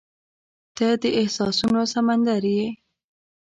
• ته د احساسونو سمندر یې.